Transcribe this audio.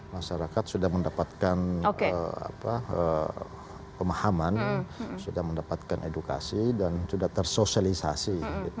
masyarakat sudah mendapatkan pemahaman sudah mendapatkan edukasi dan sudah tersosialisasi